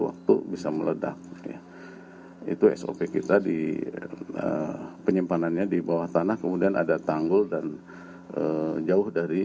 waktu bisa meledak ya itu sop kita di penyimpanannya di bawah tanah kemudian ada tanggul dan jauh dari